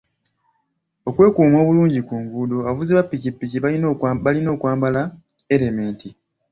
Okwekuuma obulungi ku nguudo, abavuzi ba ppikipiki balina okwambala erementi.